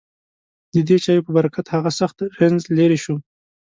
ددې چایو په برکت هغه سخت رنځ لېرې شو.